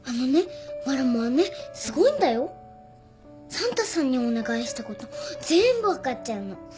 サンタさんにお願いしたこと全部分かっちゃうの。